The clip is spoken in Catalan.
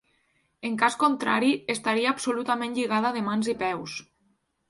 En cas contrari, estaria absolutament lligada de mans i peus.